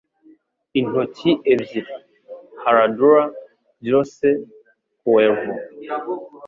Intoki ebyiri, Herradura, Jose Cuervo